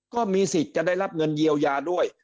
ก็มีสิทธิ์จะได้รับเงินเยียวยาด้วย